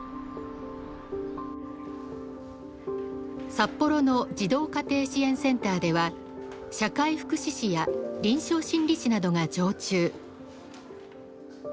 札幌の児童家庭支援センターでは社会福祉士や臨床心理士などが常駐。